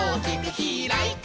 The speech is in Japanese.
「ひらいて」